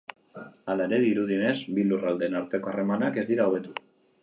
Hala ere, dirudienez, bi lurraldeen arteko harremanak ez dira hobetu.